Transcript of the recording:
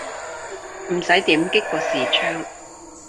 唔使點擊個視窗